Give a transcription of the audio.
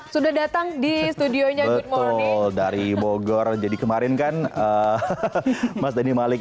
sudah datang di studionya betul dari bogor jadi kemarin kan mas denny malik